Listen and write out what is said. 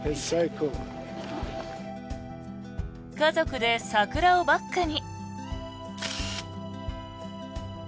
家族で桜をバックに。